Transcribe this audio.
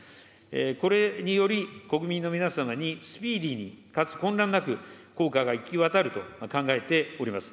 これにより、国民の皆様にスピーディーに、かつ混乱なく効果が行き渡ると考えております。